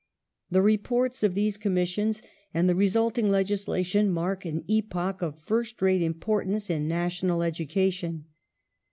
The Reports of these Commissions and the resulting legislation mark an epoch of first rate importance in national education.